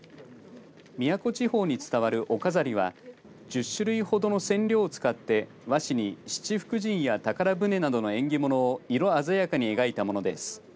宮古地方に伝わるお飾りは１０種類ほどの染料を使って和紙に七福神や宝船などの縁起物を色鮮やかに描いたものです。